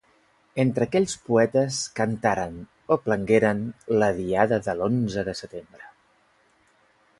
Entre aquells poetes, cantaren, o plangueren, la Diada de l’onze de setembre.